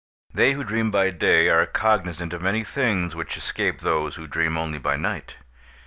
They who dream by day are cognizant of many things which escape those who dream only by night.